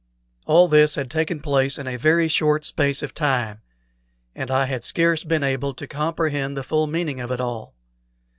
All this had taken place in a very short space of time, and I had scarce been able to comprehend the full meaning of it all.